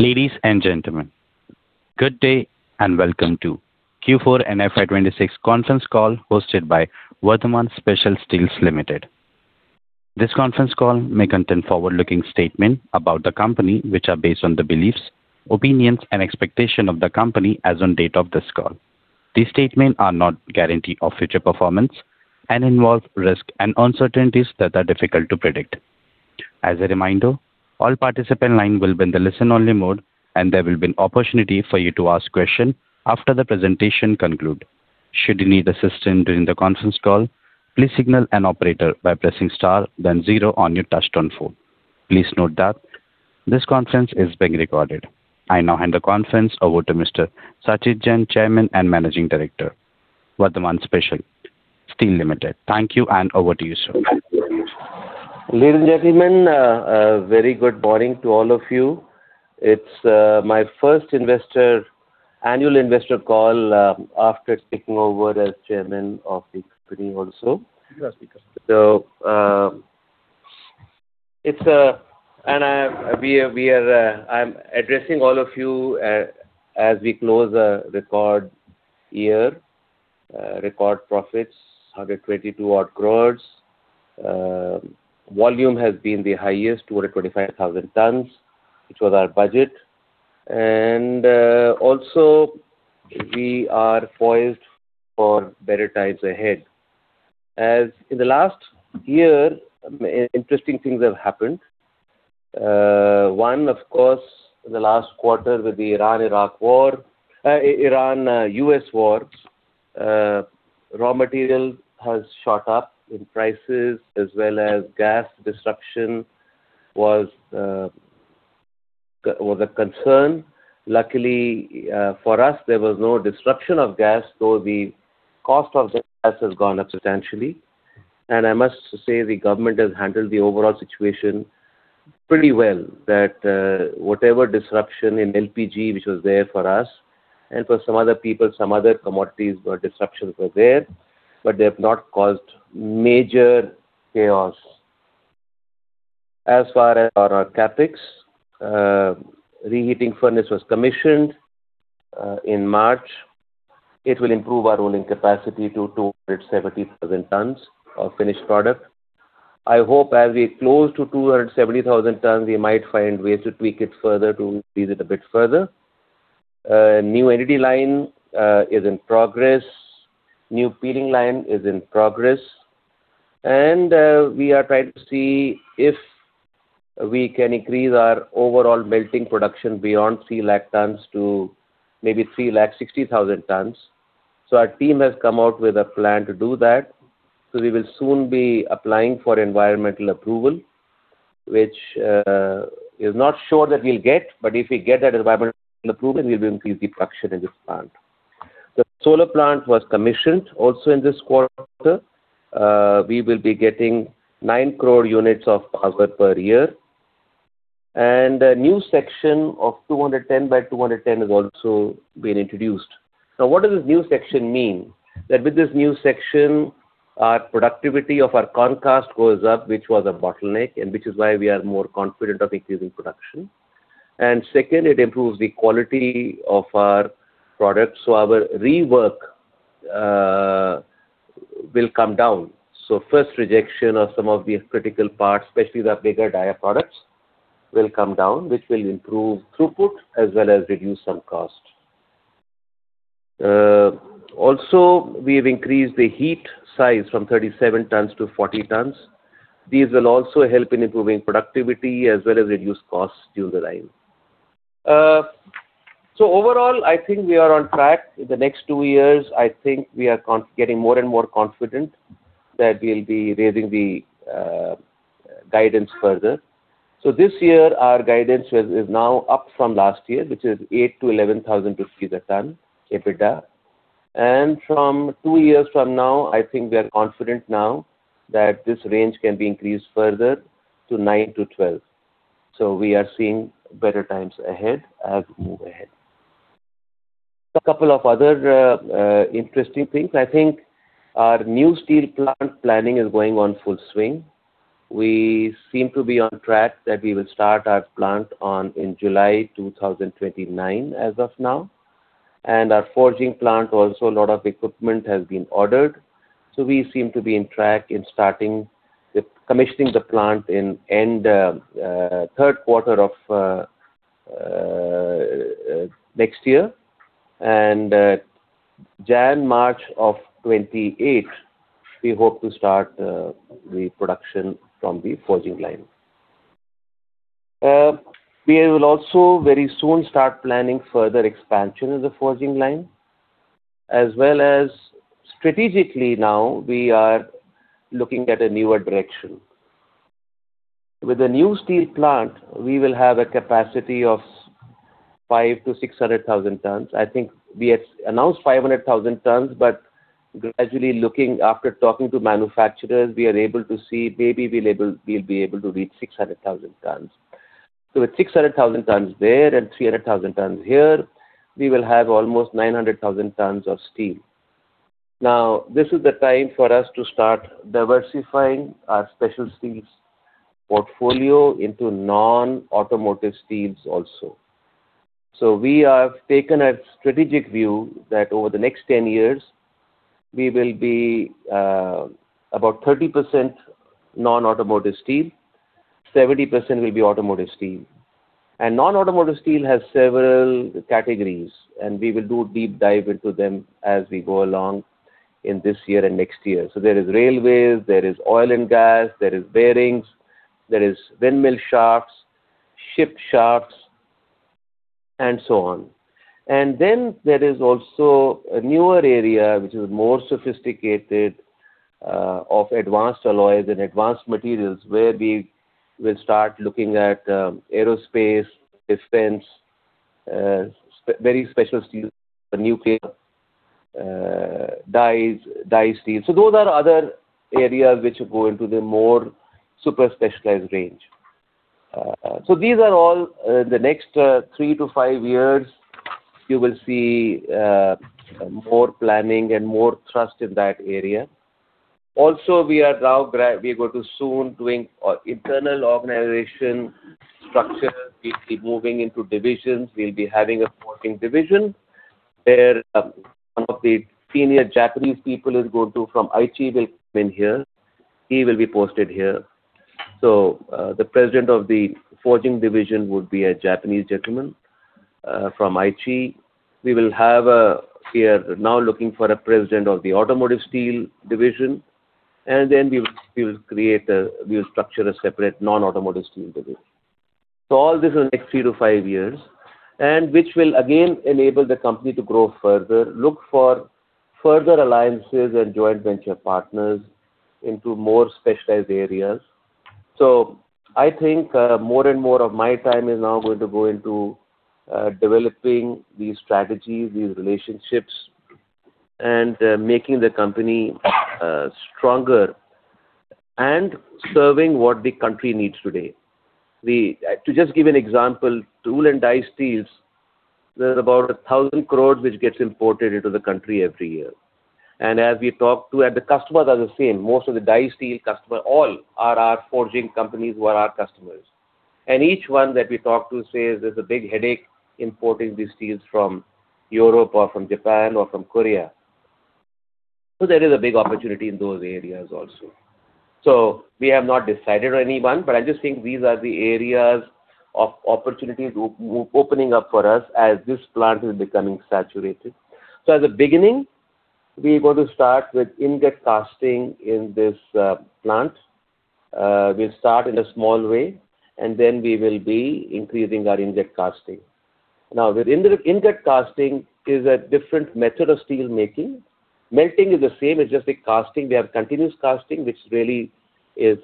Ladies and gentlemen, good day and welcome to Q4 and FY 2026 conference call hosted by Vardhman Special Steels Limited. This conference call may contain forward-looking statements about the company which are based on the beliefs, opinions, and expectations of the company as on date of this call. These statements are not guarantees of future performance and involve risks and uncertainties that are difficult to predict. As a reminder, all participant lines will be in the listen-only mode. There will be an opportunity for you to ask questions after the presentation concludes. Should you need assistance during the conference call, please signal an operator by pressing star then zero on your touch-tone phone. Please note that this conference is being recorded. I now hand the conference over to Mr. Sachit Jain, Chairman and Managing Director, Vardhman Special Steels Limited. Thank you. Over to you, sir. Ladies and gentlemen, very good morning to all of you. It's my first annual investor call after taking over as Chairman of the company also. I am addressing all of you as we close a record year. Record profits, 122 crores. Volume has been the highest, 225,000 tons, which was our budget. Also, we are poised for better times ahead. As in the last year, interesting things have happened. One, of course, in the last quarter with the Iran-Iraq war, Iran-US wars, raw material has shot up in prices as well as gas disruption was a concern. Luckily, for us, there was no disruption of gas, though the cost of the gas has gone up substantially. I must say, the government has handled the overall situation pretty well that, whatever disruption in LPG which was there for us and for some other people, some other commodities where disruptions were there, but they have not caused major chaos. As far as our CapEx, reheating furnace was commissioned in March. It will improve our rolling capacity to 270,000 tons of finished product. I hope as we close to 270,000 tons, we might find ways to tweak it further to increase it a bit further. New NDT line is in progress. New peeling line is in progress. We are trying to see if we can increase our overall melting production beyond 300,000 tons to maybe 360,000 tons. Our team has come out with a plan to do that. We will soon be applying for environmental approval, which is not sure that we'll get, but if we get that environmental approval, we'll increase the production in this plant. The solar plant was commissioned also in this quarter. We will be getting 9 crore units of power per year. A new section of 210 by 210 has also been introduced. What does this new section mean? With this new section, our productivity of our concast goes up, which was a bottleneck, and which is why we are more confident of increasing production. Second, it improves the quality of our products, so our rework will come down. First rejection of some of the critical parts, especially the bigger dia products, will come down, which will improve throughput as well as reduce some cost. Also, we have increased the heat size from 37 tons to 40 tons. These will also help in improving productivity as well as reduce costs during the line. Overall, I think we are on track. In the next two years, I think we are getting more and more confident that we'll be raising the guidance further. This year, our guidance is now up from last year, which is 8,000-11,000 rupees a ton, EBITDA. From two years from now, I think we are confident now that this range can be increased further to 9,000-12,000. We are seeing better times ahead as we move ahead. A couple of other interesting things. I think our new steel plant planning is going on full swing. We seem to be on track that we will start our plant on in July 2029 as of now. Our forging plant also, a lot of equipment has been ordered, so we seem to be in track in commissioning the plant in end third quarter of next year. Jan-March of 2028, we hope to start the production from the forging line. We will also very soon start planning further expansion of the forging line, as well as strategically now we are looking at a newer direction. With the new steel plant, we will have a capacity of 500,000 tons-600,000 tons. I think we have announced 500,000 tons, gradually looking after talking to manufacturers, we are able to see maybe we'll be able to reach 600,000 tons. With 600,000 tons there and 300,000 tons here, we will have almost 900,000 tons of steel. This is the time for us to start diversifying our special steels portfolio into non-automotive steels also. We have taken a strategic view that over the next 10 years, we will be about 30% non-automotive steel, 70% will be automotive steel. Non-automotive steel has several categories, and we will do a deep dive into them as we go along in this year and next year. There is railways, there is oil and gas, there is bearings, there is windmill shafts, ship shafts, and so on. Then there is also a newer area which is more sophisticated, of advanced alloys and advanced materials, where we will start looking at aerospace, defense, very special steels for nuclear, dies, die steel. Those are other areas which go into the more super specialized range. These are all the next three to five years you will see more planning and more thrust in that area. We are going to soon doing internal organization structure. We'll be moving into divisions. We'll be having a forging division where some of the senior Japanese people is going to from Aichi will come in here. He will be posted here. The president of the forging division would be a Japanese gentleman from Aichi. We will have a... We are now looking for a president of the automotive steel division, and then we will create a separate non-automotive steel division. All this in the next 3-5 years, and which will again enable the company to grow further, look for further alliances and joint venture partners into more specialized areas. I think, more and more of my time is now going to go into developing these strategies, these relationships, and making the company stronger and serving what the country needs today. We, to just give an example, tool and die steels, there's about 1,000 crores which gets imported into the country every year. As we talk to. The customers are the same. Most of the die steel customer, all are our forging companies who are our customers. Each one that we talk to says there's a big headache importing these steels from Europe or from Japan or from Korea. There is a big opportunity in those areas also. We have not decided on any one, but I just think these are the areas of opportunities opening up for us as this plant is becoming saturated. At the beginning, we are going to start with ingot casting in this plant. We'll start in a small way, and then we will be increasing our ingot casting. Now with ingot casting is a different method of steel making. Melting is the same, it's just the casting. We have continuous casting, which really is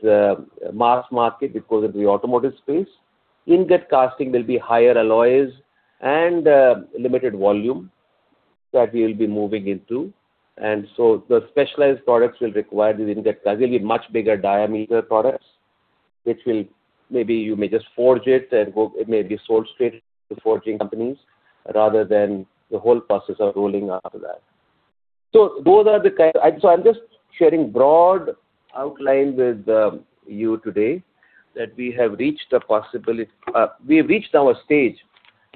mass market because of the automotive space. Ingot casting will be higher alloys and limited volume that we'll be moving into. The specialized products will require this ingot casting. They're really much bigger diameter products, which maybe you may just forge it and it may be sold straight to forging companies rather than the whole process of rolling after that. I'm just sharing broad outline with you today that we have reached a stage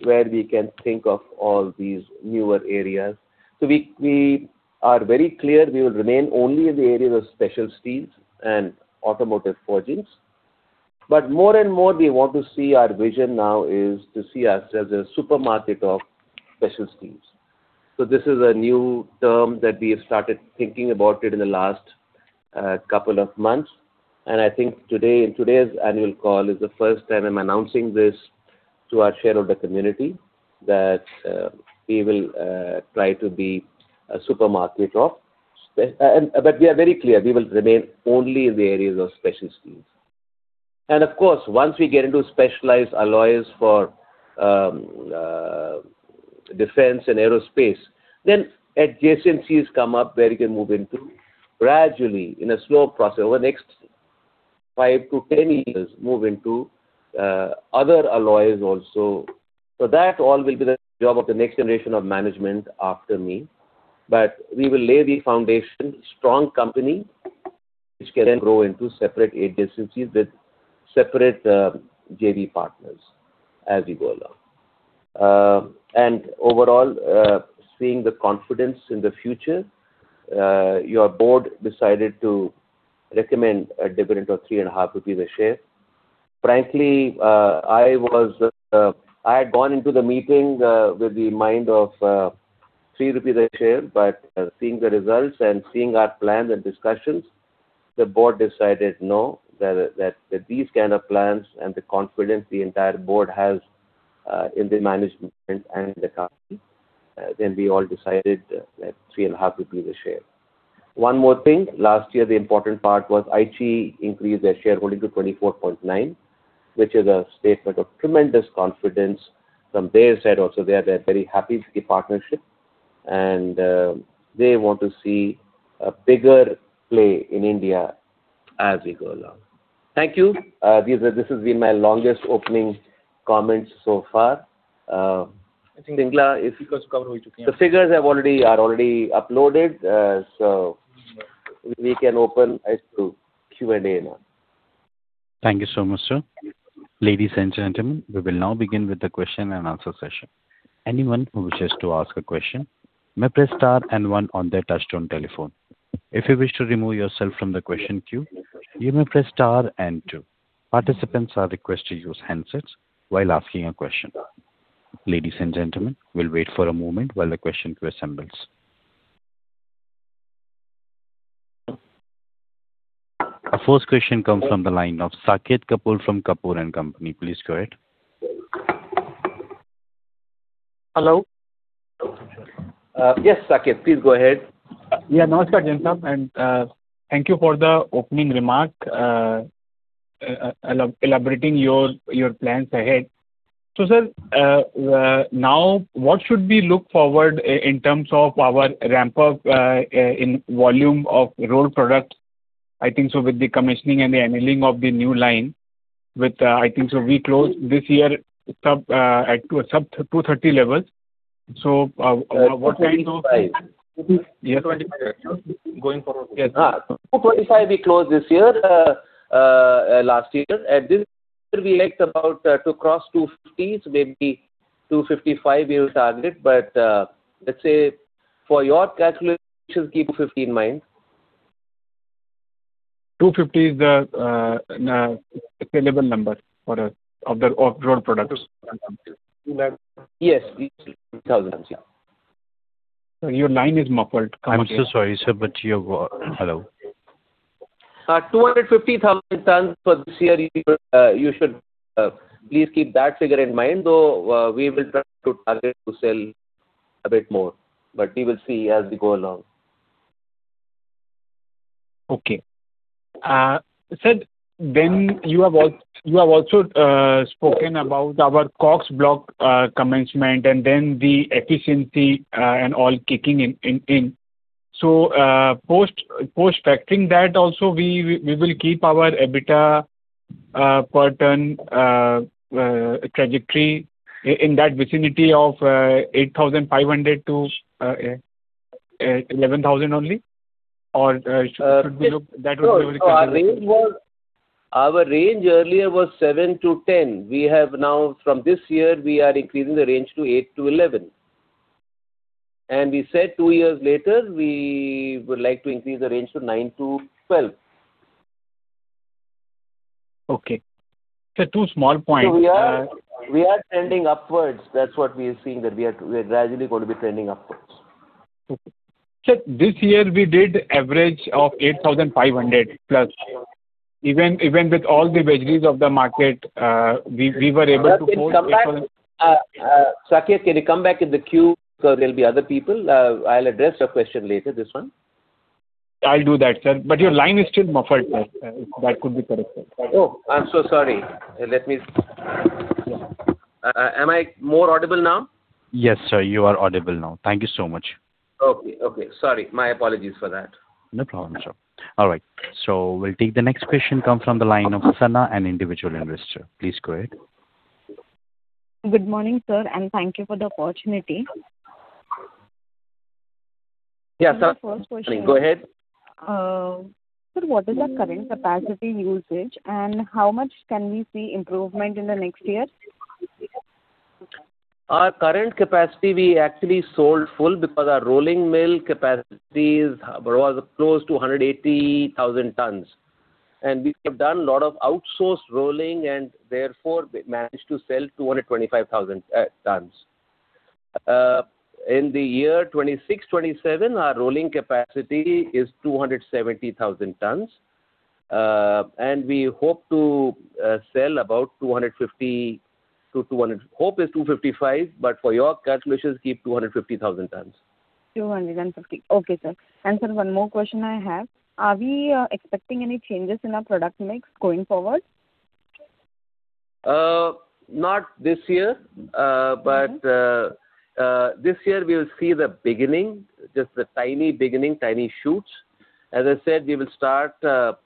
where we can think of all these newer areas. We are very clear we will remain only in the area of special steels and automotive forgings. More and more we want to see our vision now is to see ourselves as a supermarket of special steels. This is a new term that we have started thinking about it in the last couple of months. I think today, in today's annual call is the first time I'm announcing this to our shareholder community that we are very clear, we will remain only in the areas of special steels. Of course, once we get into specialized alloys for defense and aerospace, then adjacencies come up where you can move into gradually in a slow process over the next five to 10 years, move into other alloys also. That all will be the job of the next generation of management after me. We will lay the foundation, strong company, which can then grow into separate adjacencies with separate JV partners as we go along. Overall, seeing the confidence in the future, your Board decided to recommend a dividend of 3.5 rupees the share. Frankly, I was, I had gone into the meeting with the mind of 3 rupees the share. Seeing the results and seeing our plans and discussions, the Board decided no, that these kind of plans and the confidence the entire Board has in the management and the company, then we all decided that 3.5 per share. One more thing. Last year, the important part was Aichi increased their shareholding to 24.9%, which is a statement of tremendous confidence from their side also. They are, they're very happy with the partnership and they want to see a bigger play in India as we go along. Thank you. This has been my longest opening comments so far. Singla is. I think figures cover. The figures are already uploaded. We can open this to Q&A now. Thank you so much, sir. Ladies and gentlemen, we will now begin with the question and answer session. Anyone who wishes to ask a question may press star and one on their touchtone telephone. If you wish to remove yourself from the question queue, you may press star and two. Participants are requested to use handsets while asking a question. Ladies and gentlemen, we will wait for a moment while the question queue assembles. Our first question comes from the line of Saket Kapoor from Kapoor & Company. Please go ahead. Hello. Yes, Saket, please go ahead. Yeah. Namaskar, Jain Saab, thank you for the opening remark. Elaborating your plans ahead. Sir, now what should we look forward in terms of our ramp up in volume of rolled product? I think so with the commissioning and the annealing of the new line with, I think so we close this year sub, at sub 230 levels. What kind of- 225,000 tons. Year 2025 going forward, yes. 225,000 tons we closed this year, last year. At this we expect about to cross 250,000 tons, so maybe 255,000 tons we will target. Let's say for your calculations, keep 250,000 tons in mind. 250,000 tons is the available number for of the rolled products. Yes, the thousands, yeah. Sir, your line is muffled. I'm so sorry, sir. Hello. 250,000 tons for this year, you should please keep that figure in mind. We will try to target to sell a bit more. We will see as we go along. Okay, sir, then you have also spoken about our KOCKS block, commencement and then the efficiency, and all kicking in. Post-factoring that also we will keep our EBITDA, per ton, trajectory in that vicinity of, 8,500-11,000 only? No. Our range earlier was 7,000- 10,000. We have now from this year we are increasing the range to 8,000-11,000. We said two years later we would like to increase the range to 9,000- 12,000. Okay. Two small points. We are trending upwards. That's what we are seeing that we are gradually going to be trending upwards. Okay. Sir, this year we did average of 8,500+. Even with all the vagaries of the market. Saket, can you come back in the queue? There'll be other people. I'll address your question later, this one. I'll do that, sir. Your line is still muffled. If that could be corrected. Oh, I'm so sorry. Am I more audible now? Yes, sir. You are audible now. Thank you so much. Okay. Okay. Sorry. My apologies for that. No problem, sir. All right. We'll take the next question, comes from the line of Sana, an individual investor. Please go ahead. Good morning, sir, and thank you for the opportunity. Yeah, Sana. My first question. Please go ahead. Sir, what is our current capacity usage, and how much can we see improvement in the next year? Our current capacity we sold full because our rolling mill capacity was close to 180,000 tons. We have done a lot of outsourced rolling and therefore we managed to sell 225,000 tons. In the year 2026, 2027, our rolling capacity is 270,000 tons. We hope to sell about 250,000 tons. Hope is 255,000, but for your calculations, keep 250,000 tons. 250,000 tons. Okay, sir. Sir, one more question I have. Are we expecting any changes in our product mix going forward? Not this year. This year we will see the beginning, just the tiny beginning, tiny shoots. As I said, we will start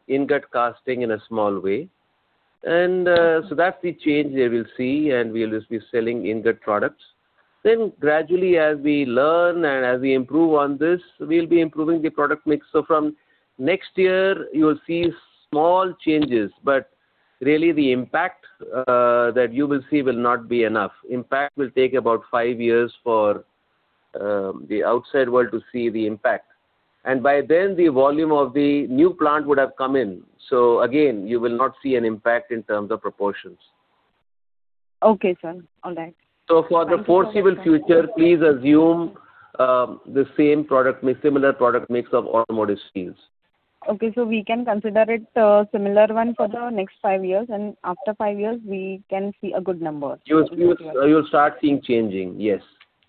ingot casting in a small way. That's the change there we'll see, and we'll just be selling ingot products. Gradually, as we learn and as we improve on this, we'll be improving the product mix. From next year you will see small changes, but really the impact that you will see will not be enough. Impact will take about five years for the outside world to see the impact. By then, the volume of the new plant would have come in. Again, you will not see an impact in terms of proportions. Okay, sir. All right. For the foreseeable future, please assume similar product mix of automotive steels. Okay. We can consider it a similar one for the next five years, and after five years we can see a good number. You'll start seeing changing. Yes.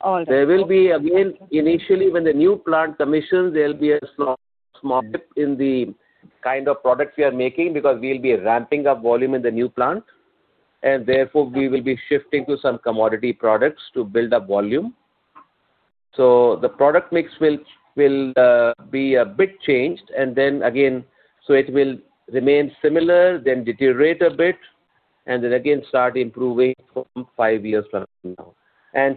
All right. There will be again, initially, when the new plant commissions, there'll be a small dip in the kind of products we are making because we'll be ramping up volume in the new plant, and therefore we will be shifting to some commodity products to build up volume. The product mix will be a bit changed and then again. It will remain similar, then deteriorate a bit, and then again start improving from five years from now.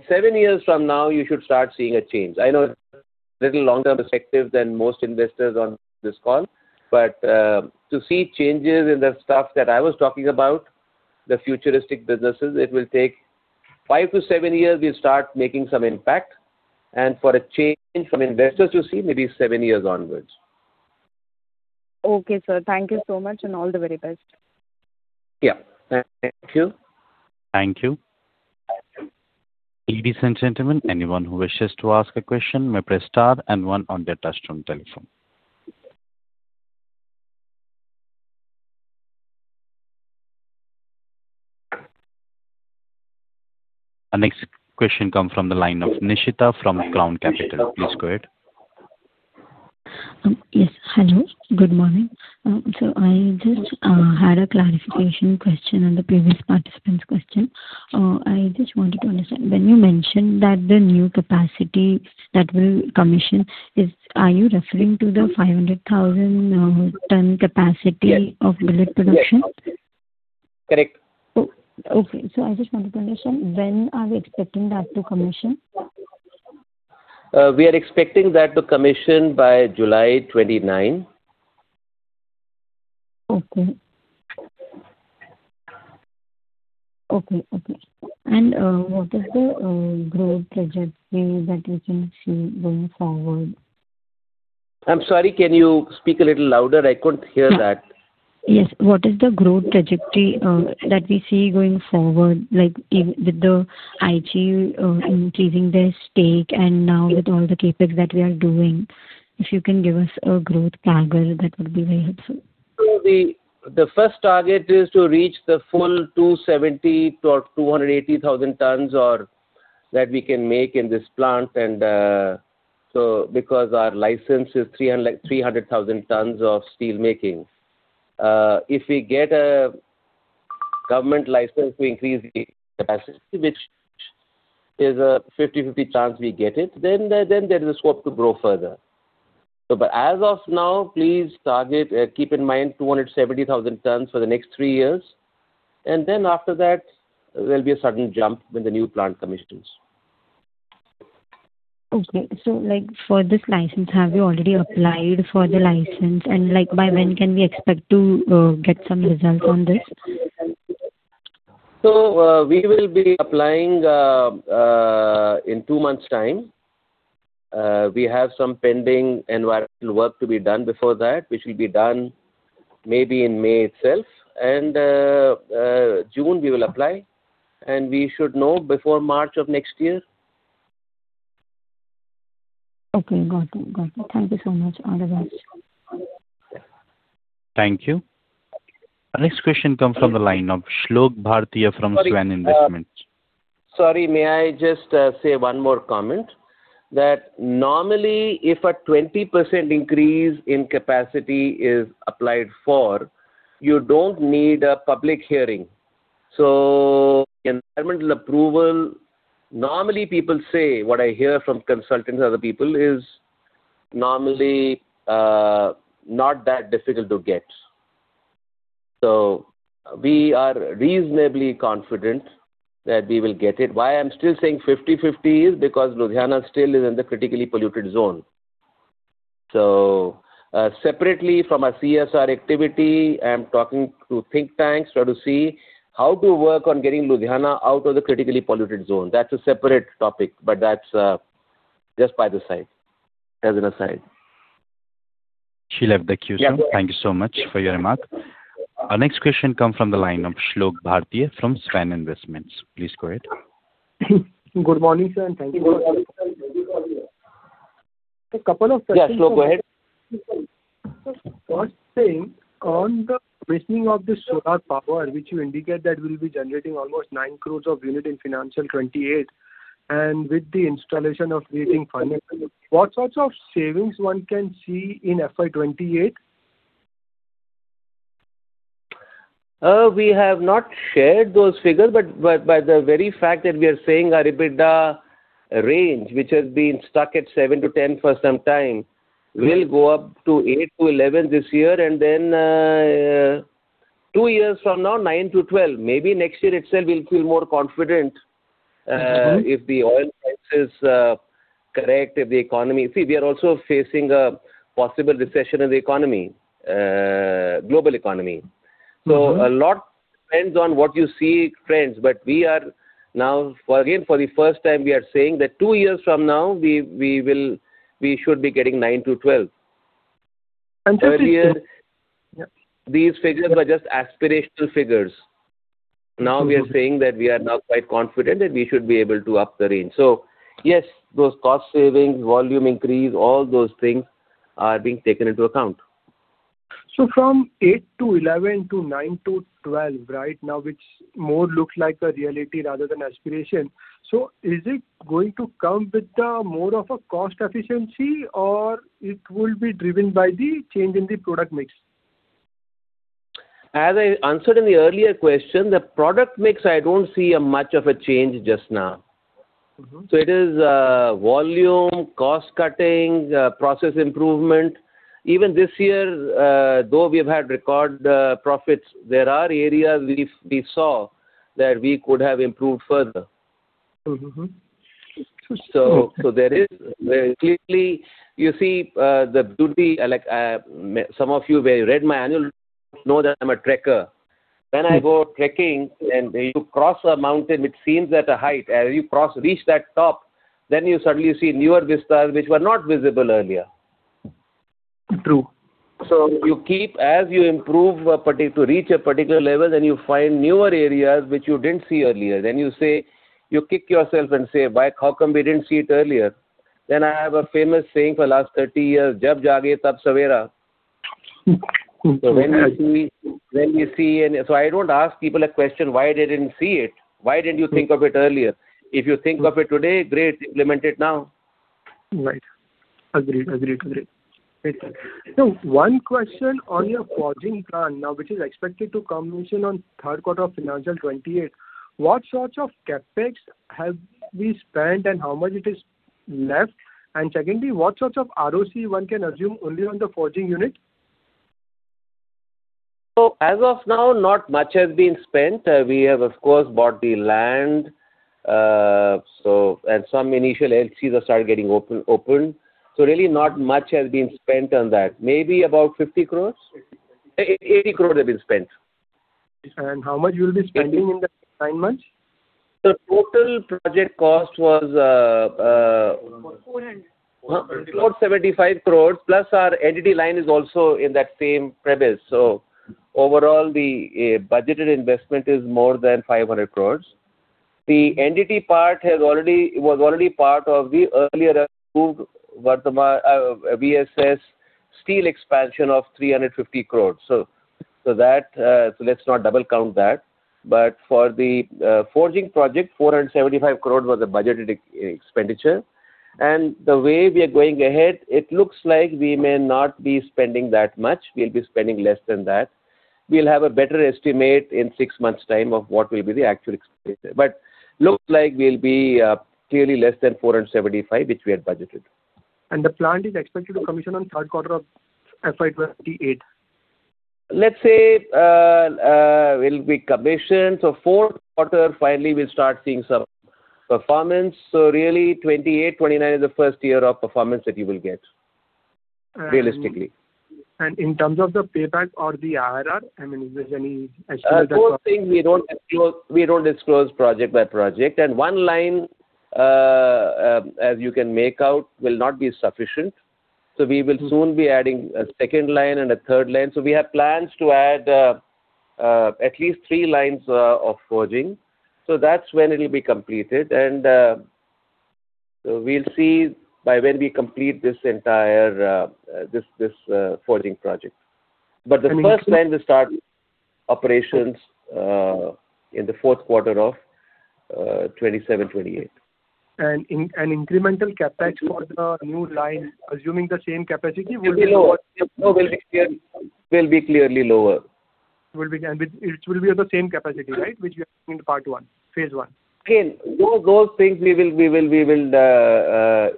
Seven years from now, you should start seeing a change. I know it's a little longer perspective than most investors on this call, but to see changes in the stuff that I was talking about, the futuristic businesses, it will take five to seven years, we start making some impact. For a change from investors to see, maybe seven years onwards. Okay, sir. Thank you so much and all the very best. Yeah. Thank you. Thank you. Ladies and gentlemen, anyone who wishes to ask a question may press star and one on their touch-tone telephone. Our next question comes from the line of Nishita from Crown Capital. Please go ahead. Yes. Hello, good morning. I just had a clarification question on the previous participant's question. I just wanted to understand, when you mentioned that the new capacity that will commission is, are you referring to the 500,000 ton capacity of billet production? Yes. Correct. Oh, okay. I just wanted to understand, when are we expecting that to commission? We are expecting that to commission by July 2029. Okay. Okay, okay. What is the growth trajectory that we can see going forward? I'm sorry, can you speak a little louder? I couldn't hear that. Yes. What is the growth trajectory that we see going forward, like with the Aichi increasing their stake and now with all the CapEx that we are doing? If you can give us a growth target, that would be very helpful. The first target is to reach the full 270,000 tons-280,000 tons or that we can make in this plant because our license is 300,000 tons of steel making. If we get a government license to increase the capacity, which is a 50/50 chance we get it, then there is a scope to grow further. But as of now, please target, keep in mind 270,000 tons for the next three years. Then after that there'll be a sudden jump when the new plant commissions. Okay. Like for this license, have you already applied for the license? Like by when can we expect to get some results on this? We will be applying in two months time. We have some pending environmental work to be done before that, which will be done maybe in May itself. June we will apply, and we should know before March of next year. Okay, got it. Got it. Thank you so much. All the best. Thank you. Our next question comes from the line of Shlok Bharti from Swan Investments. Sorry. Sorry, may I just say one more comment? That normally if a 20% increase in capacity is applied for, you don't need a public hearing. Environmental approval, normally people say, what I hear from consultants and other people is normally not that difficult to get. We are reasonably confident that we will get it. Why I'm still saying 50/50 is because Ludhiana still is in the critically polluted zone. Separately from our CSR activity, I'm talking to think tanks try to see how to work on getting Ludhiana out of the critically polluted zone. That's a separate topic, but that's just by the side, as an aside. Shlok Bharti, sir. Yeah. Thank you so much for your remark. Our next question come from the line of Shlok Bharti from Swan Investments. Please go ahead. Good morning, sir, and thank you. A couple of questions. Yeah, Shlok, go ahead. First thing, on the commissioning of the solar power, which you indicate that we'll be generating almost 9 crores of unit in FY 2028, and with the installation of reheating furnace, what sorts of savings one can see in FY 2028? We have not shared those figures, but by the very fact that we are saying our EBITDA range, which has been stuck at 7,000- 10,000 for some time, will go up to 8,000-11,000 this year, and then, two years from now, 9,000- 12,000. Maybe next year itself we will feel more confident. Mm-hmm... if the oil prices, correct. See, we are also facing a possible recession in the economy, global economy. Mm-hmm. A lot depends on what you see trends. We are now, for again, for the first time, we are saying that two years from now, we will, we should be getting 9,000- 12,000. Understood, sir. Earlier, these figures were just aspirational figures. Mm-hmm. We are saying that we are now quite confident that we should be able to up the range. Yes, those cost savings, volume increase, all those things are being taken into account. From 8,000- 11,000 to 9000-12,000, right now it's more looks like a reality rather than aspiration. Is it going to come with the more of a cost efficiency or it will be driven by the change in the product mix? As I answered in the earlier question, the product mix I don't see much of a change just now. Mm-hmm. It is volume, cost cutting, process improvement. Even this year, though we have had record profits, there are areas we saw that we could have improved further. Mm-hmm. There is clearly, you see, the beauty, like, some of you may read my annual know that I am a trekker. When I go trekking and you cross a mountain which seems at a height, as you cross, reach that top, then you suddenly see newer vistas which were not visible earlier. True. You keep. As you improve to reach a particular level, you find newer areas which you didn't see earlier. You say, you kick yourself and say, "Why, how come we didn't see it earlier?" I have a famous saying for the last 30 years. When we see, I don't ask people a question why they didn't see it. Why didn't you think of it earlier? If you think of it today, great. Implement it now. Right. Agreed. Agreed. Agreed. One question on your forging plant now, which is expected to commission on third quarter of FY 2028. What sorts of CapEx have been spent and how much it is left? Secondly, what sorts of ROCE one can assume only on the forging unit? As of now, not much has been spent. We have, of course, bought the land. Some initial LCs have started getting open. Really not much has been spent on that. Maybe about 50 crores. 80 crore have been spent. How much you will be spending in the nine months? The total project cost was. 475 crores 475 crores, plus our annealing line is also in that same premise. Overall, the budgeted investment is more than 500 crores. The entity part was already part of the earlier approved Vardhman VSS steel expansion of 350 crores. Let's not double count that. For the forging project, 475 crores was the budgeted expenditure. The way we are going ahead, it looks like we may not be spending that much. We'll be spending less than that. We'll have a better estimate in six months' time of what will be the actual expenditure. Looks like we'll be clearly less than 475 crores, which we had budgeted. The plant is expected to commission on third quarter of FY 2028. Let's say will be commissioned. Fourth quarter, finally we'll start seeing some performance. Really 2028-2029 is the first year of performance that you will get, realistically. In terms of the payback or the IRR, I mean, is there any estimate that one can-? Those things we don't disclose, we don't disclose project by project. One line, as you can make out, will not be sufficient. We will soon be adding a second line and a third line. We have plans to add at least three lines of forging. That's when it'll be completed. We'll see by when we complete this entire this this forging project. The first line will start operations in the fourth quarter of 2027-2028. Incremental CapEx for the new line, assuming the same capacity will be? Will be lower. Will be clearly lower. It will be at the same capacity, right? Which you are saying part 1, phase 1. Those things we will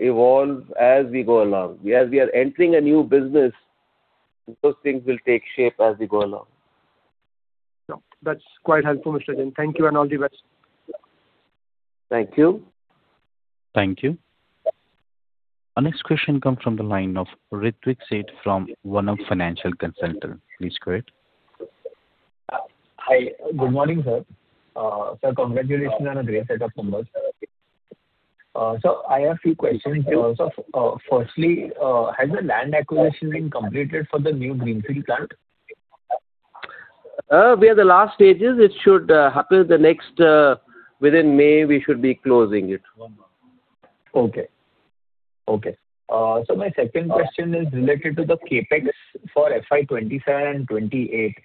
evolve as we go along. We are entering a new business, those things will take shape as we go along. No, that's quite helpful, Mr. Jain. Thank you and all the best. Thank you. Thank you. Our next question comes from the line of Ritwik Seth from OneUp Financial Consultants. Please go ahead. Hi. Good morning, sir. Sir, congratulations on a great set of numbers. I have few questions also. Firstly, has the land acquisition been completed for the new greenfield plant? We are the last stages. It should happen the next. Within May, we should be closing it. Okay. Okay. My second question is related to the CapEx for FY 2027 and 2028,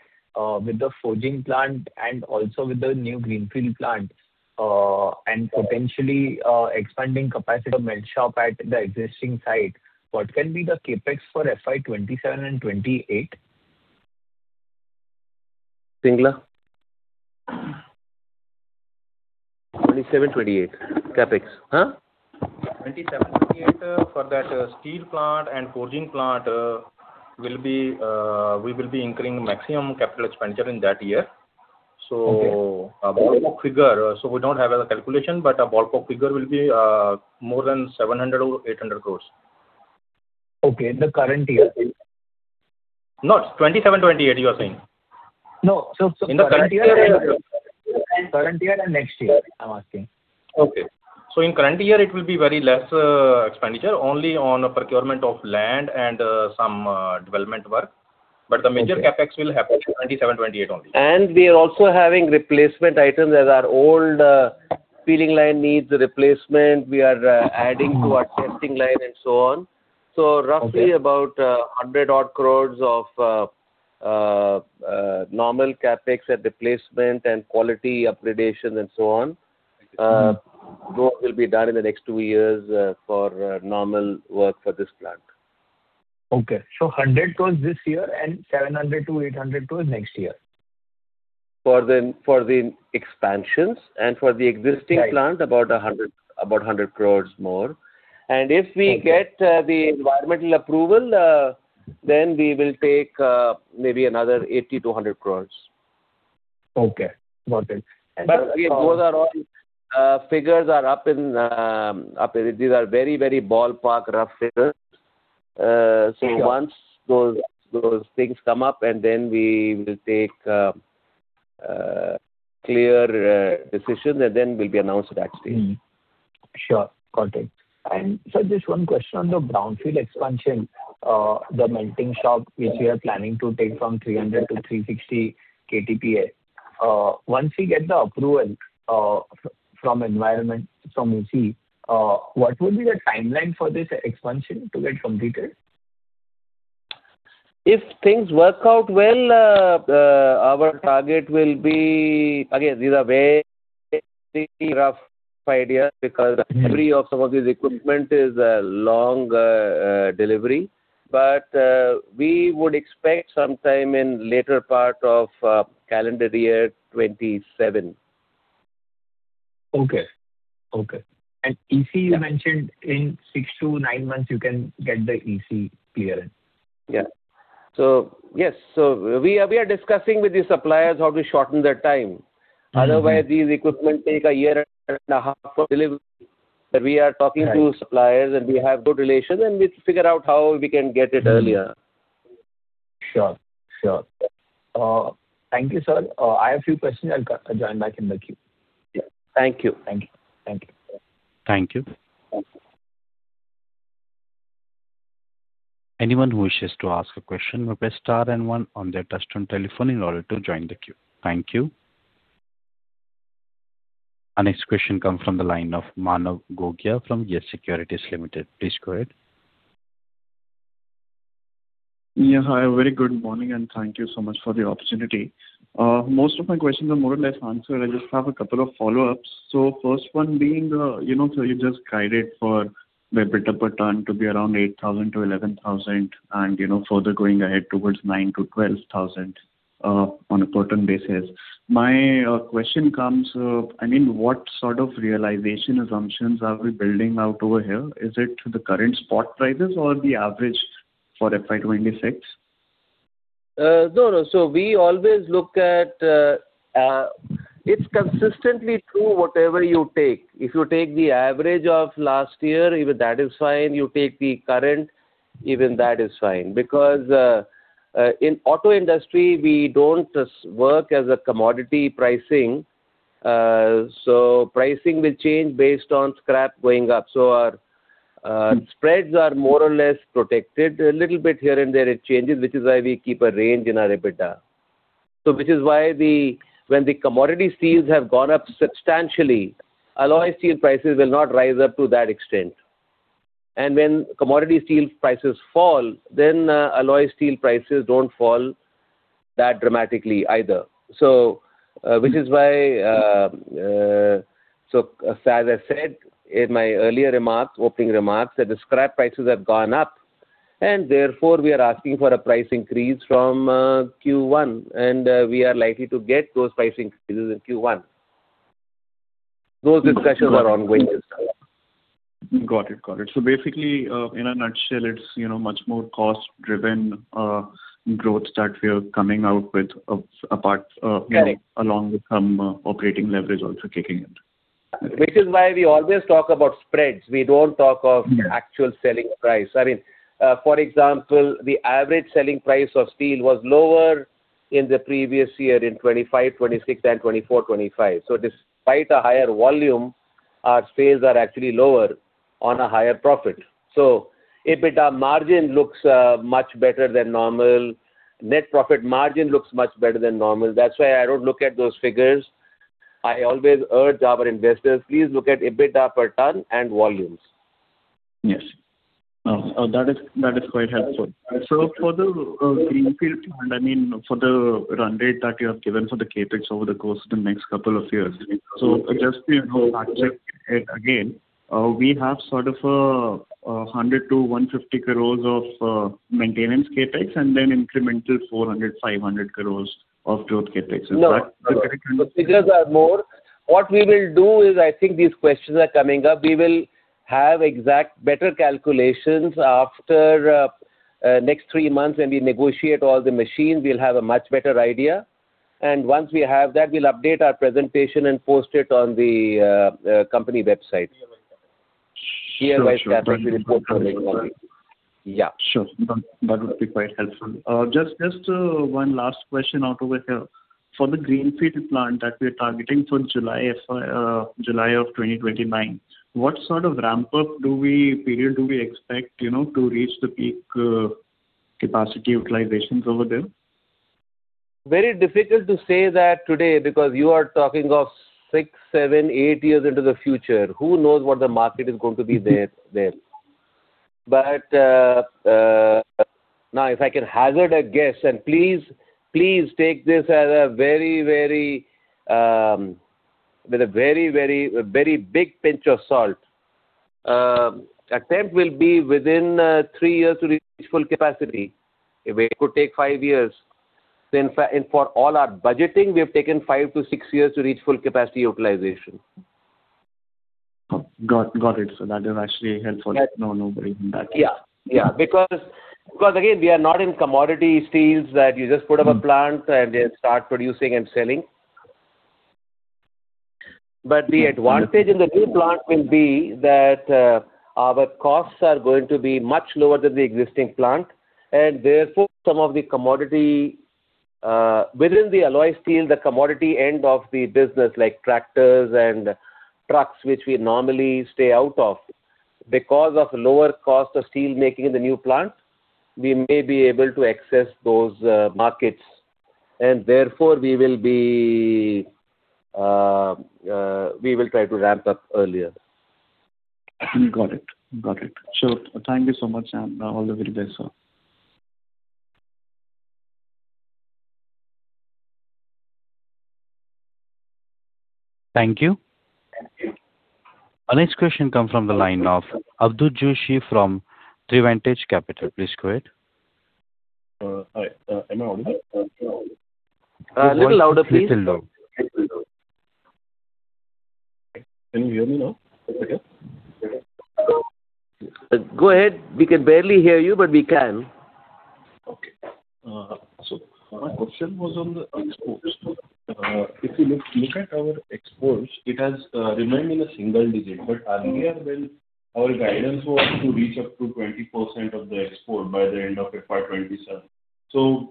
with the forging plant and also with the new greenfield plant, and potentially, expanding capacity of melt shop at the existing site. What can be the CapEx for FY 2027 and 2028? Singla? 2027, 2028 CapEx. Huh? FY 2027, FY 2028, for that steel plant and forging plant, we will be incurring maximum CapEx in that year. Okay. A ballpark figure. We don't have a calculation, but a ballpark figure will be more than 700 crores or 800 crores. Okay. In the current year? No. 2027, 2028 you are saying? No. In the current year. Current year and next year, I'm asking. Okay. In current year it will be very less expenditure, only on procurement of land and some development work. Okay. The major CapEx will happen in 2027, 2028 only. We are also having replacement items as our old, peeling line needs replacement. We are adding to our testing line and so on. Okay. Roughly about 100 odd crores of normal CapEx at replacement and quality upgradation and so on. Those will be done in the next two years for normal work for this plant. Okay. 100 tons this year and 700 tons-800 tons next year. For the expansions and for the existing plant. Right About 100 crores more. Okay The environmental approval, then we will take, maybe another 80 Crores- 100 crores. Okay. Got it. Those are all figures are up in. These are very, very ballpark rough figures. Sure... once those things come up, and then we will take a clear decision, and then will be announced at that stage. Sure. Got it. Sir, just one question on the brownfield expansion, the melting shop which we are planning to take from 300 KTPA-360 KTPA. Once we get the approval from environment, from EC, what will be the timeline for this expansion to get completed? If things work out well, our target will be. Again, these are very rough idea. Mm-hmm... delivery of some of these equipment is a long delivery. We would expect some time in later part of calendar year 2027. Okay. Okay. EC you mentioned in six to nine months you can get the EC clearance. Yeah. Yes. We are discussing with the suppliers how to shorten the time. Mm-hmm. Otherwise these equipment take a year and a half for delivery. We are talking to suppliers, and we have good relations, and we'll figure out how we can get it earlier. Sure. Sure. Thank you, sir. I have few questions. I'll join back in the queue. Yeah. Thank you. Thank you. Thank you. Thank you. Thank you. Anyone who wishes to ask a question may press star then one on their touch-tone telephone. Thank you. Our next question comes from the line of Manav Gogia from YES Securities Limited. Please go ahead. Yeah, hi. A very good morning and thank you so much for the opportunity. Most of my questions are more or less answered. I just have a couple of follow-ups. First one being, you know, you just guided for the EBITDA per ton to be around 8,000-11,000 and, you know, further going ahead towards 9,000-12,000 on a per ton basis. My question comes, I mean, what sort of realization assumptions are we building out over here? Is it the current spot prices or the average for FY 2026? No, no. We always look at, it's consistently true whatever you take. If you take the average of last year, even that is fine. You take the current, even that is fine. Because, in auto industry we don't just work as a commodity pricing. Pricing will change based on scrap going up. Our spreads are more or less protected. A little bit here and there it changes, which is why we keep a range in our EBITDA. Which is why the, when the commodity steels have gone up substantially, alloy steel prices will not rise up to that extent. And when commodity steel prices fall, then alloy steel prices don't fall that dramatically either. Which is why. As I said in my earlier remarks, opening remarks, that the scrap prices have gone up, and therefore we are asking for a price increase from Q1, and we are likely to get those price increases in Q1. Those discussions are ongoing. Got it. Got it. Basically, in a nutshell, it's, you know, much more cost driven growth that we are coming out with of apart. Right Along with some operating leverage also kicking in. Which is why we always talk about spreads. Mm-hmm We don't talk of actual selling price. I mean, for example, the average selling price of steel was lower in the previous year in 2025, 2026, and 2024, 2025. Despite a higher volume, our sales are actually lower on a higher profit. EBITDA margin looks much better than normal. Net profit margin looks much better than normal. That's why I don't look at those figures. I always urge our investors, please look at EBITDA per ton and volumes. Yes. No, that is quite helpful. For the greenfield plant, I mean, for the run rate that you have given for the CapEx over the course of the next couple of years. Just to, you know, fact check it again, we have sort of a 100 crores-150 crores of maintenance CapEx and then incremental 400 crores, 500 crores of growth CapEx. Is that correct? No. The figures are more. What we will do is I think these questions are coming up. We will have exact better calculations after next three months when we negotiate all the machines. We'll have a much better idea. Once we have that, we'll update our presentation and post it on the company website. Sure, sure. Shareholder CapEx report for the company. Yeah. Sure. That would be quite helpful. Just one last question out over here. For the greenfield plant that we're targeting for July of 2029, what sort of ramp up period do we expect, you know, to reach the peak capacity utilizations over there? Very difficult to say that today because you are talking of six, seven, eight years into the future. Who knows what the market is going to be there? Now if I can hazard a guess, and please take this as a very, very with a very, very, very big pinch of salt. Attempt will be within three years to reach full capacity. It could take five years. For, and for all our budgeting, we have taken five to six years to reach full capacity utilization. Oh, got it. That is actually helpful. Yes. No, no worry on that. Yeah. Again, we are not in commodity steels that you just put up a plant and then start producing and selling. The advantage in the new plant will be that our costs are going to be much lower than the existing plant and therefore some of the commodity within the alloy steel, the commodity end of the business, like tractors and trucks, which we normally stay out of. Because of lower cost of steelmaking in the new plant, we may be able to access those markets and therefore we will be, we will try to ramp up earlier. Got it. Sure. Thank you so much. All the very best, sir. Thank you. Our next question comes from the line of Atul Joshi from Trivantage Capital. Please go ahead. Hi. Am I audible? A little louder, please. Speak little loud. Can you hear me now? Is it okay? Go ahead. We can barely hear you, but we can. Okay. My question was on the exports. If you look at our exports, it has remained in a single digit. Earlier when our guidance was to reach up to 20% of the export by the end of FY 2027.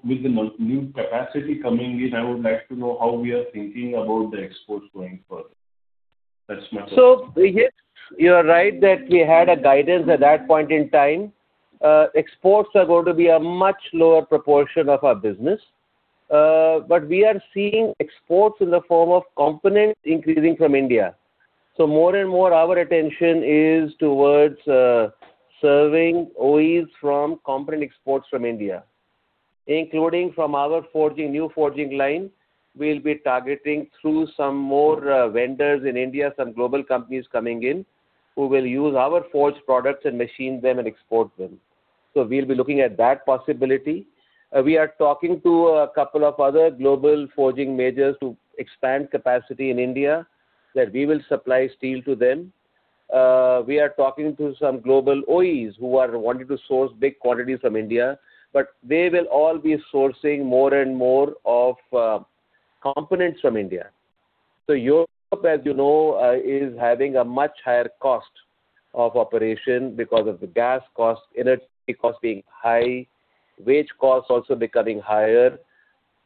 With the new capacity coming in, I would like to know how we are thinking about the exports going further. That's my question. Yes, you are right that we had a guidance at that point in time. Exports are going to be a much lower proportion of our business. We are seeing exports in the form of components increasing from India. More and more our attention is towards serving OEs from component exports from India, including from our forging, new forging line. We'll be targeting through some more vendors in India, some global companies coming in, who will use our forged products and machine them and export them. We'll be looking at that possibility. We are talking to a couple of other global forging majors to expand capacity in India, that we will supply steel to them. We are talking to some global OEs who are wanting to source big quantities from India. They will all be sourcing more and more of components from India. Europe, as you know, is having a much higher cost of operation because of the gas costs, energy cost being high, wage costs also becoming higher,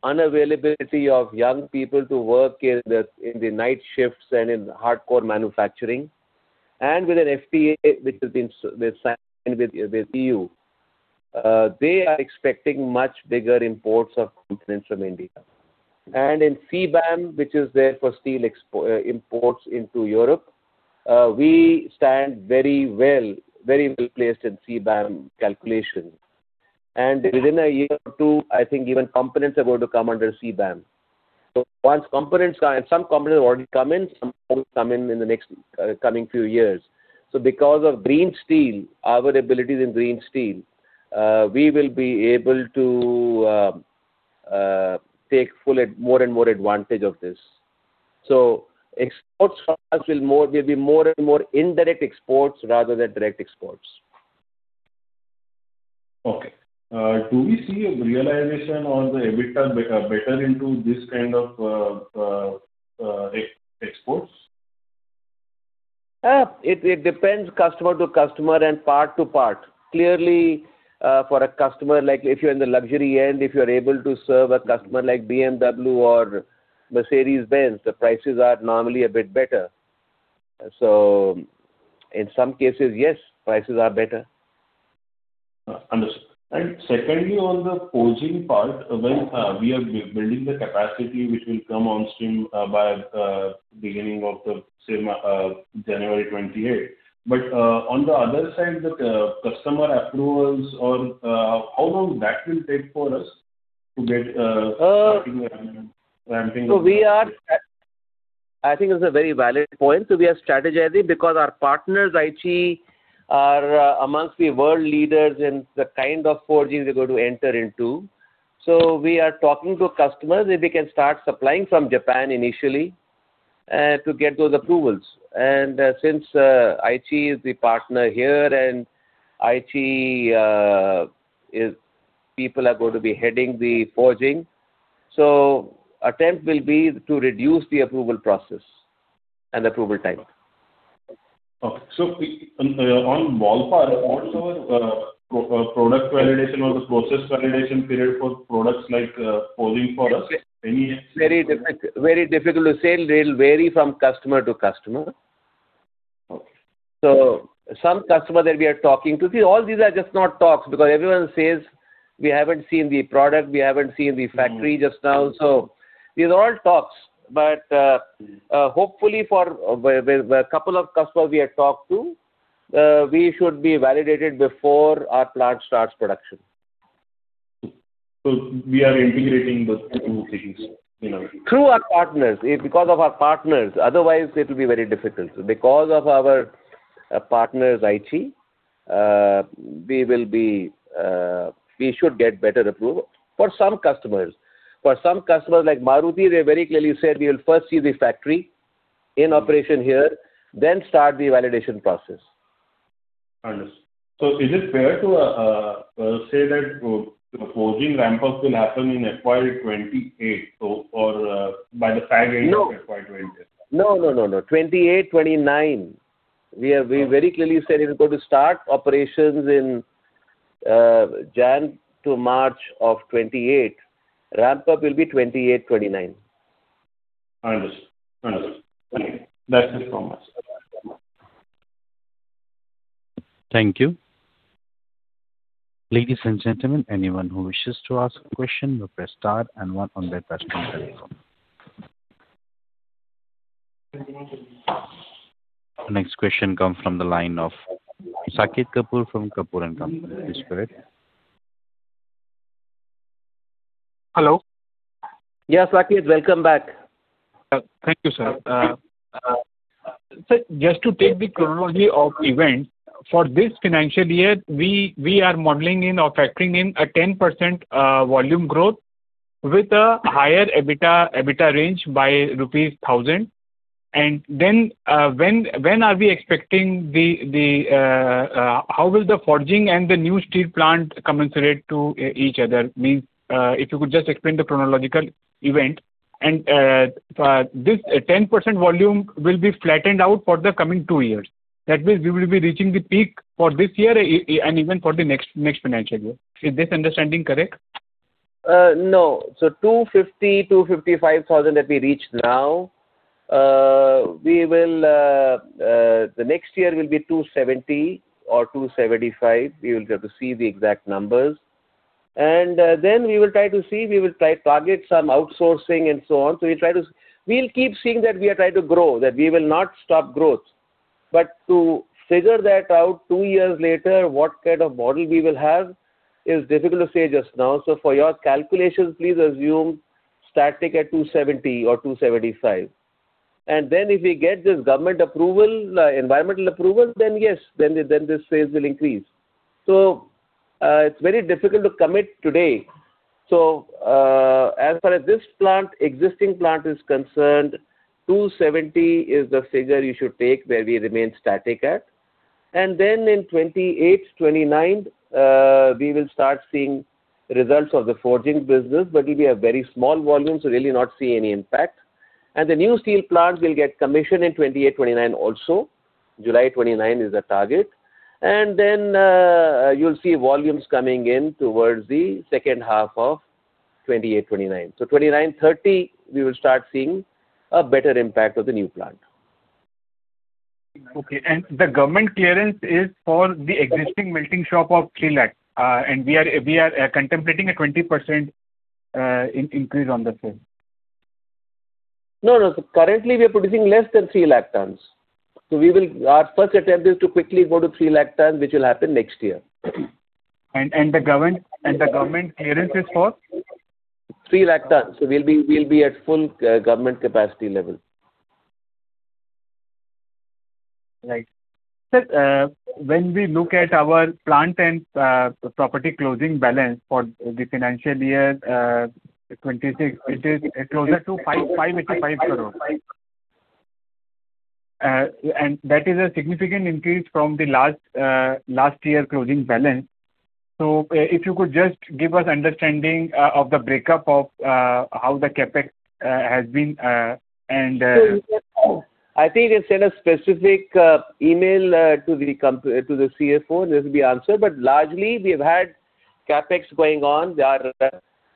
unavailability of young people to work in the night shifts and in hardcore manufacturing. With an FTA which has been they've signed with EU, they are expecting much bigger imports of components from India. In CBAM, which is there for steel imports into Europe, we stand very well-placed in CBAM calculation. Within a year or two, I think even components are going to come under CBAM. Once components are Some components have already come in, some will come in the next coming few years. Because of green steel, our abilities in green steel, we will be able to take more and more advantage of this. Exports for us, they will be more and more indirect exports rather than direct exports. Okay. Do we see a realization or the EBITDA be better into this kind of exports? It depends customer to customer and part to part. Clearly, for a customer, like if you're in the luxury end, if you're able to serve a customer like BMW or Mercedes-Benz, the prices are normally a bit better. In some cases, yes, prices are better. Secondly, on the forging part, when we are building the capacity which will come on stream by beginning of January 2028. On the other side, the customer approvals or how long that will take for us to get starting the ramping-? I think it's a very valid point. We are strategizing because our partners, Aichi, are amongst the world leaders in the kind of forging we're going to enter into. We are talking to customers if we can start supplying from Japan initially, to get those approvals. Since Aichi is the partner here and Aichi, people are going to be heading the forging, attempt will be to reduce the approval process and approval time. Okay. On ballpark, what's our product validation or the process validation period for products like forging for us? Very difficult to say. They'll vary from customer to customer. Okay. Some customers that we are talking to. See, all these are just not talks because everyone says we haven't seen the product, we haven't seen the factory just now. These are all talks, but hopefully for well, a couple of customers we have talked to, we should be validated before our plant starts production. We are integrating those two things, you know. Through our partners. Because of our partners. Otherwise it will be very difficult. Because of our partners' Aichi, we will be, we should get better approval for some customers. For some customers, like Maruti, they very clearly said, "We will first see the factory in operation here, then start the validation process. Understood. Is it fair to say that the forging ramp-up will happen in FY 2028? No No, no, no. 2028, 2029. We very clearly said it's going to start operations in January to March of 2028. Ramp-up will be 2028, 2029. Understood. Understood. Thank you. That's it from us. Thank you. Ladies and gentlemen, anyone who wishes to ask a question. The next question come from the line of Saket Kapoor from Kapoor & Company. Please go ahead. Hello. Yeah, Saket, welcome back. Thank you, sir. Sir, just to take the chronology of events, for this financial year, we are modeling in or factoring in a 10% volume growth with a higher EBITDA range by INR 1,000. How will the forging and the new steel plant commensurate to each other? If you could just explain the chronological event. This 10% volume will be flattened out for the coming two years. That means we will be reaching the peak for this year and even for the next financial year. Is this understanding correct? No. 250,000 tons, 255,000 tonsthat we reached now, we will, the next year will be 270,000 tons or 275,000 tons. We will have to see the exact numbers. We will try to see, we will try target some outsourcing and so on. We will keep seeing that we are trying to grow, that we will not stop growth. To figure that out two years later, what kind of model we will have is difficult to say just now. For your calculations, please assume static at 270,000 tons or 275,000 tons. If we get this government approval, environmental approval, then yes, then this phase will increase. It's very difficult to commit today. As far as this plant, existing plant is concerned, 270,000 tons is the figure you should take where we remain static at. In 2028, 2029, we will start seeing results of the forging business. It will be a very small volume, so really not see any impact. The new steel plant will get commissioned in 2028, 2029 also. July 2029 is the target. You will see volumes coming in towards the second half of 2028, 2029. 2029, 2030, we will start seeing a better impact of the new plant. Okay. The government clearance is for the existing melting shop of 3 lakh tons. We are contemplating a 20% increase on the same. No, no. Currently we are producing less than 3 lakh tons. Our first attempt is to quickly go to 3 lakh tons, which will happen next year. The government clearance is for? 3 lakh tons. We'll be at full government capacity level. Right. Sir, when we look at our plant and property closing balance for the financial year 2026, it is closer to INR 5 crore. That is a significant increase from the last year closing balance. If you could just give us understanding of the breakup of how the CapEx has been and. I think we've sent a specific email to the CFO. This will be answered. Largely, we have had CapEx going on. Our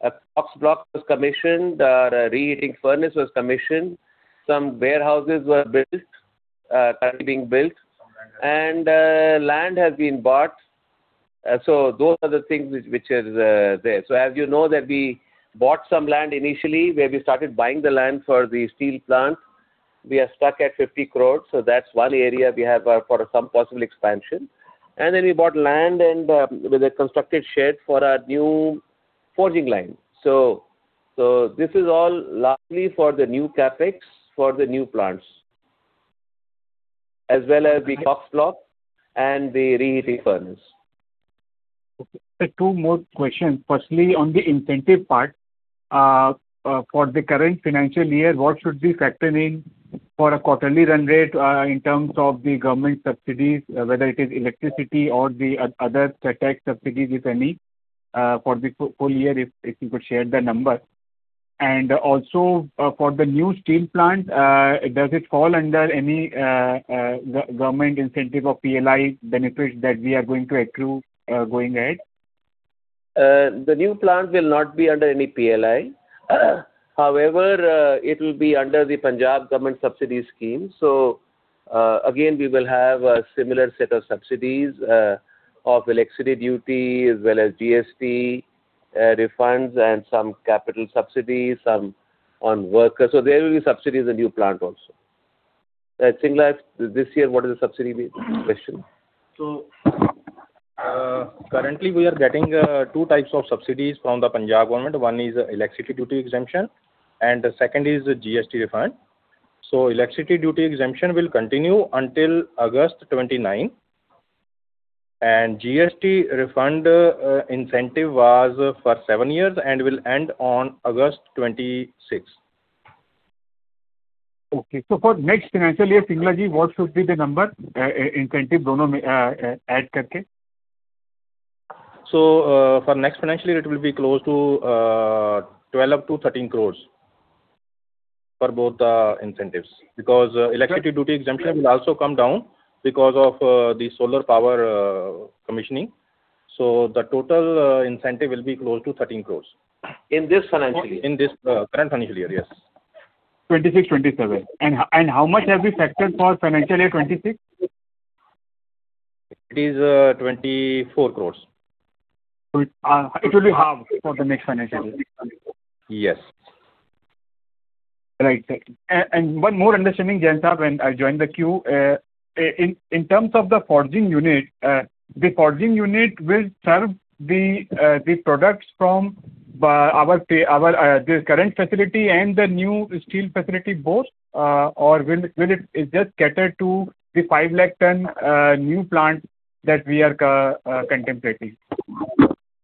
KOCKS block was commissioned. Our reheating furnace was commissioned. Some warehouses were built, currently being built. Land has been bought. Those are the things which is there. As you know that we bought some land initially, where we started buying the land for the steel plant. We are stuck at 50 crore, so that's one area we have for some possible expansion. Then we bought land and with a constructed shed for our new forging line. This is all largely for the new CapEx for the new plants, as well as the KOCKS block and the reheating furnace. Okay. Sir, two more questions. Firstly, on the incentive part, for the current financial year, what should we factor in for a quarterly run rate, in terms of the government subsidies, whether it is electricity or the other CapEx subsidies, if any, for the full year, if you could share the number? For the new steel plant, does it fall under any government incentive of PLI benefit that we are going to accrue going ahead? The new plant will not be under any PLI. However, it will be under the Punjab government subsidy scheme. Again, we will have a similar set of subsidies, of electricity duty as well as GST, refunds and some capital subsidies, some on workers. There will be subsidies in new plant also. At Singla, this year, what is the subsidy question? Currently we are getting two types of subsidies from the Punjab government. One is electricity duty exemption and the second is GST refund. Electricity duty exemption will continue until August 29. GST refund incentive was for seven years and will end on August 26. Okay. for next financial year, Singla Ji, what should be the number, incentive add karke? For next financial year, it will be close to 12 crores- 13 crores for both the incentives. Electricity duty exemption will also come down because of the solar power commissioning. The total incentive will be close to 13 crores. In this financial year? In this, current financial year, yes. 2026, 2027. How much have we factored for financial year 2026? It is 24 crores. It will be half for the next financial year. Yes. Right. Thank you. One more understanding, Jayant sir, when I joined the queue. In terms of the forging unit, the forging unit will serve the products from our, the current facility and the new steel facility both, or will it just cater to the 5 lakh ton new plant that we are contemplating?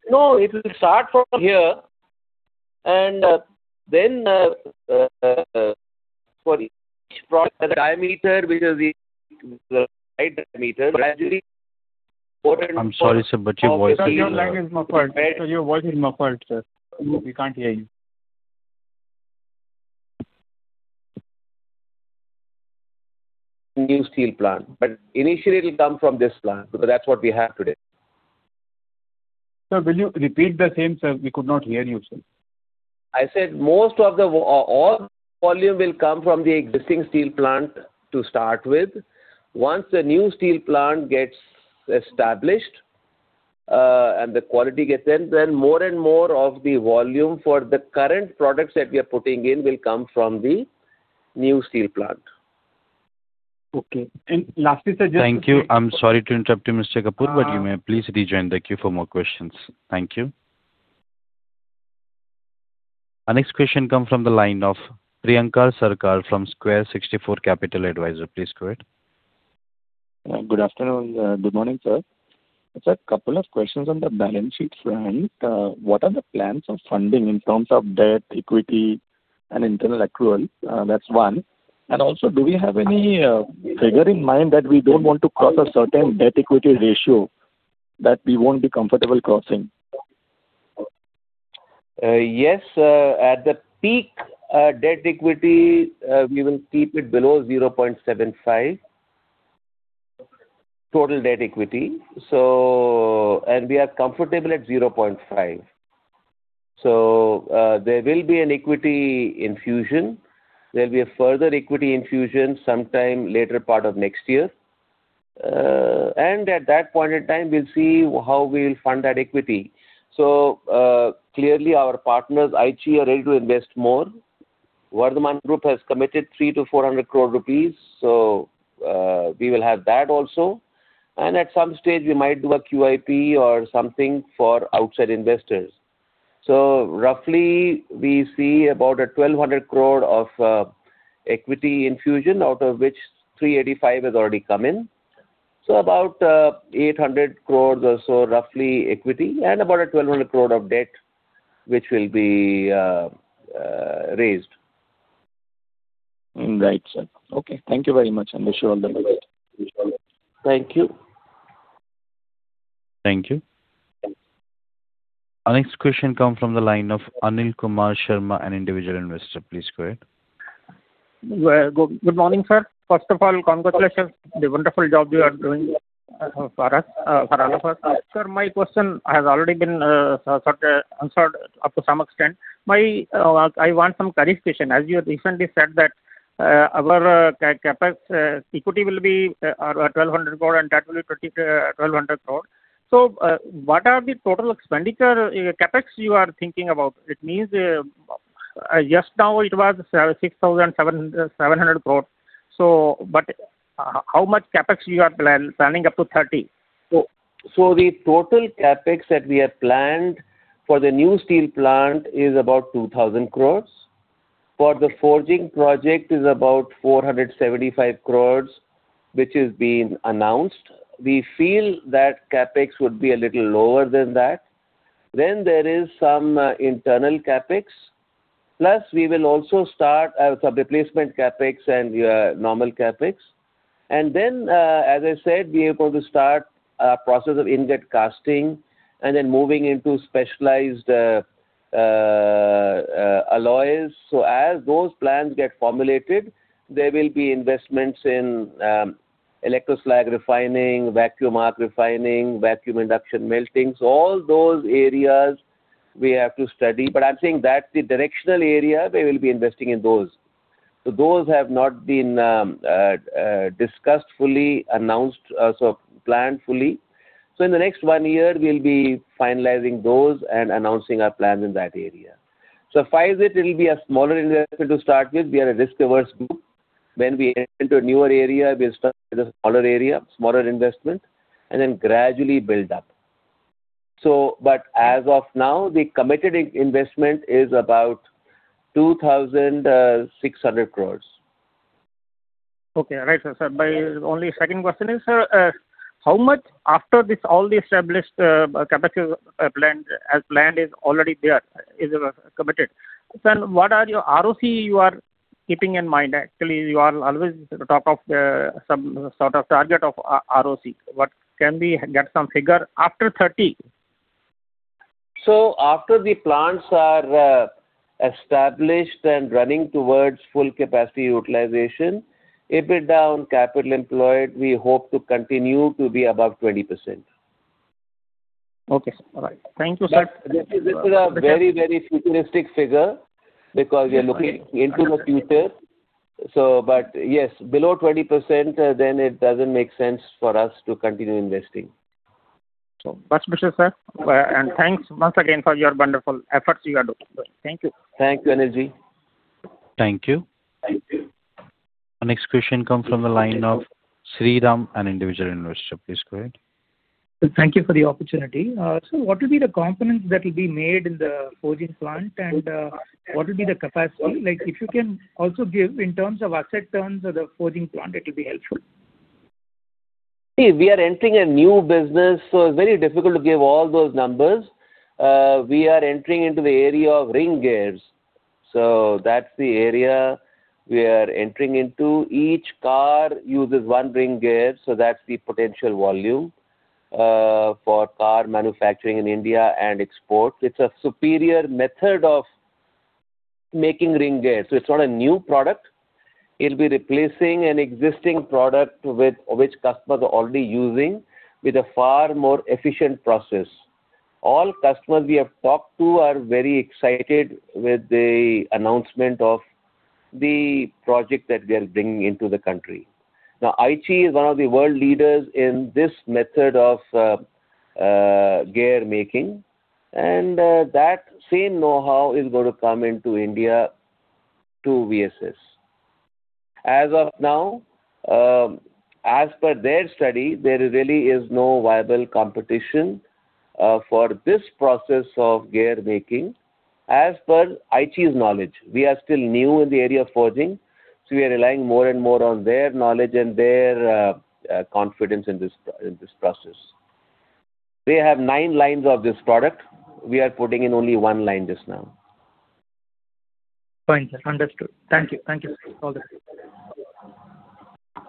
No, it will start from here and then, for each product, the diameter which is the right diameter, gradually more. I'm sorry, sir, your voice is. Sir, your line is muffled. Sir, your voice is muffled, sir. We can't hear you. New steel plant. Initially it will come from this plant because that's what we have today. Sir, will you repeat the same, sir? We could not hear you, sir. I said most of the all volume will come from the existing steel plant to start with. Once the new steel plant gets established, and the quality gets in, then more and more of the volume for the current products that we are putting in will come from the new steel plant. Okay. Thank you. I'm sorry to interrupt you, Mr. Kapoor, but you may please rejoin the queue for more questions. Thank you. Our next question come from the line of Priyankar Sarkar from Square 64 Capital Advisors. Please go ahead. Good afternoon. Good morning, sir. Sir, couple of questions on the balance sheet front. What are the plans of funding in terms of debt, equity and internal accrual? That's one. Do we have any figure in mind that we don't want to cross a certain debt equity ratio that we won't be comfortable crossing? Yes. At the peak, debt equity, we will keep it below 0.75x. Total debt equity. We are comfortable at 0.5x. There will be an equity infusion. There'll be a further equity infusion sometime later part of next year. At that point in time we'll see how we'll fund that equity. Clearly our partners, Aichi, are ready to invest more. Vardhman Group has committed 300 crores-400 crore rupees, we will have that also. At some stage we might do a QIP or something for outside investors. Roughly we see about a 1,200 INR crore of equity infusion, out of which 385 crore has already come in. About 800 crores or so roughly equity and about 1,200 crore of debt, which will be raised. Right, sir. Okay. Thank you very much, and wish you all the best. Thank you. Thank you. Our next question comes from the line of Anil Kumar Sharma, an individual investor. Please go ahead. Good morning, sir. First of all, congratulations. The wonderful job you are doing for us, for all of us. Sir, my question has already been sort answered up to some extent. I want some clarification. As you recently said that our CapEx equity will be 1,200 crore and debt will be 500 crores. What are the total expenditure CapEx you are thinking about? It means just now it was 6,700 crore, but how much CapEx you are planning up to 2030? The total CapEx that we have planned for the new steel plant is about 2,000 crores. For the forging project is about 475 crores, which is being announced. We feel that CapEx would be a little lower than that. There is some internal CapEx, plus we will also start some replacement CapEx and normal CapEx. As I said, we are going to start a process of ingot casting and then moving into specialized alloys. As those plans get formulated, there will be investments in electroslag refining, vacuum arc remelting, vacuum induction melting. All those areas we have to study. I'm saying that's the directional area, we will be investing in those. Those have not been discussed fully, announced, planned fully. In the next one year we'll be finalizing those and announcing our plans in that area. Five years it will be a smaller investment to start with. We are a risk-averse group. When we enter into a newer area, we'll start with a smaller area, smaller investment, and then gradually build up. As of now, the committed in-investment is about 2,600 crores. Okay. Right, sir. My only second question is, sir, how much after this all the established capital planned, as planned is already there, is committed, then what are your ROCE you are keeping in mind? Actually, you are always talk of some sort of target of ROCE. Can we get some figure after 2030? After the plants are established and running towards full capacity utilization, EBITDA on capital employed, we hope to continue to be above 20%. Okay, sir. All right. Thank you, sir. This is a very futuristic figure because we are looking into the future. Yes, below 20%, then it doesn't make sense for us to continue investing. Much appreciated, sir. Thanks once again for your wonderful efforts you are doing. Thank you. Thank you, Anil Ji. Thank you. Our next question comes from the line of Sriram, an individual investor. Please go ahead. Sir, thank you for the opportunity. What will be the components that will be made in the forging plant and what will be the capacity? Like if you can also give in terms of asset terms of the forging plant, it will be helpful. We are entering a new business, it's very difficult to give all those numbers. We are entering into the area of ring gears, that's the area we are entering into. Each car uses one ring gear, that's the potential volume for car manufacturing in India and export. It's a superior method of making ring gears. It's not a new product. It'll be replacing an existing product with which customers are already using with a far more efficient process. All customers we have talked to are very excited with the announcement of the project that we are bringing into the country. Aichi is one of the world leaders in this method of gear making, that same know-how is gonna come into India to VSS. As of now, as per their study, there really is no viable competition for this process of gear making, as per Aichi's knowledge. We are still new in the area of forging, so we are relying more and more on their knowledge and their confidence in this, in this process. They have nine lines of this product. We are putting in only one line just now. Fine, sir. Understood. Thank you. Thank you, sir. All the best.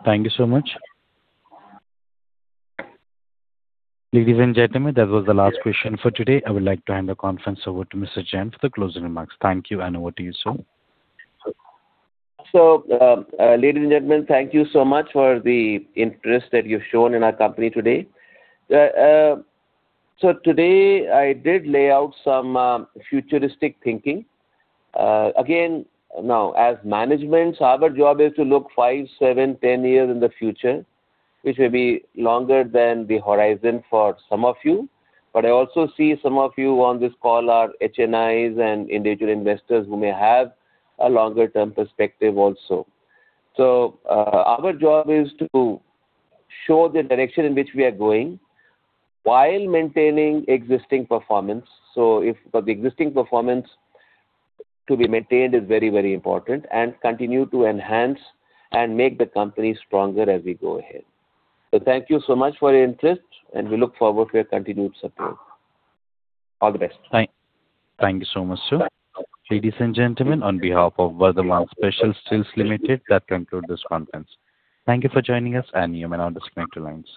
Thank you so much. Ladies and gentlemen, that was the last question for today. I would like to hand the conference over to Mr. Jain for the closing remarks. Thank you, over to you, sir. Ladies and gentlemen, thank you so much for the interest that you've shown in our company today. Today I did lay out some futuristic thinking. Again, now, as management, our job is to look five, seven, 10 years in the future, which may be longer than the horizon for some of you. I also see some of you on this call are HNIs and individual investors who may have a longer term perspective also. Our job is to show the direction in which we are going while maintaining existing performance. The existing performance to be maintained is very important, and continue to enhance and make the company stronger as we go ahead. Thank you so much for your interest, and we look forward for your continued support. All the best. Thank you so much, sir. Ladies and gentlemen, on behalf of Vardhman Special Steels Limited, that concludes this conference. Thank you for joining us, and you may now disconnect your lines.